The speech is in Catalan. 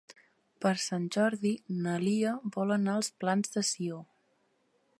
Per Sant Jordi na Lia vol anar als Plans de Sió.